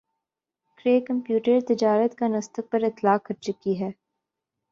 کَرئے computer تجارت کا Nasdaq پر اطلاق کر چکی ہے